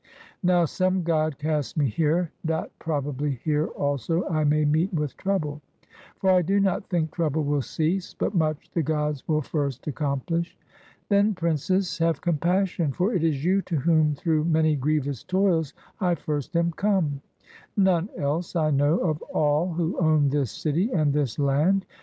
Now some god cast me here, that probably here also I may meet with trouble; for I do not think trouble will cease, but much the gods will first accompHsh. Then, princess, have compassion, for it is you to whom through many grievous toils I first am come; none else I know of all who own this city and this land.